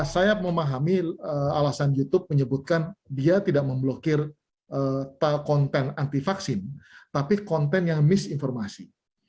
saya memahami alasan youtube menyebutkan dia tidak memblokir konten anti vaksin tapi konten yang misinformasi